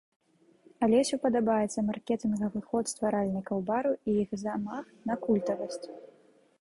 Алесю падабаецца маркетынгавы ход стваральнікаў бару і іх замах на культавасць.